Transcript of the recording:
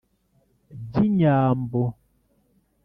by’inyambo.